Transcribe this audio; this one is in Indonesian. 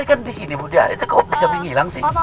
dia kan disini budak itu kok bisa menghilang sih